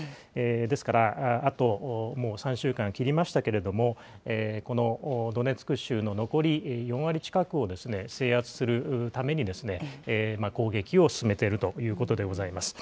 ですから、あともう３週間切りましたけれども、このドネツク州の残り４割近くを制圧するために、攻撃を進めているということでございます。